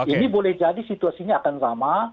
ini boleh jadi situasinya akan sama